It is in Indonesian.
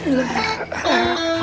di dunia nyata